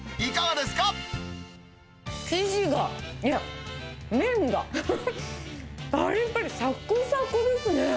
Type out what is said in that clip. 生地が、いや、麺が、ぱりぱり、さくさくですね。